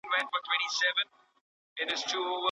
د روژې نیولو ګټي څه دي؟